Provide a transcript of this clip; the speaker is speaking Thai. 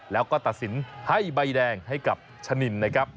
แล้วก็ตัดสินให้ใบแดงให้กับชะนินนะครับ